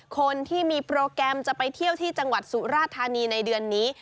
คนที่มีโปรแกรมจะไปเที่ยวที่จังหวัดสุราธานีในเดือนนี้